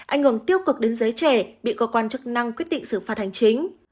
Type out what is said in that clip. ảnh hưởng tiêu cực đến giới trẻ bị cơ quan chức năng quyết định xử phạt hành chính